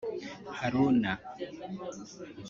Haruna